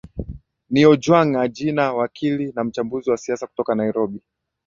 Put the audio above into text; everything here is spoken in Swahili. ni ojwang agina wakili na mchambuzi wa siasa kutoka nairobi